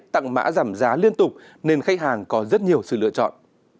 tặng mã giảm giá liên tục nên khách hàng có rất nhiều sự lựa chọn